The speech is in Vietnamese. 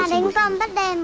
ừ chị hà đánh con bắt đèn